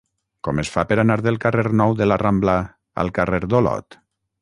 Com es fa per anar del carrer Nou de la Rambla al carrer d'Olot?